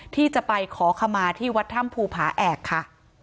ที่จะไปขอขมาที่วัดถ้ำภูผาแอกค่ะ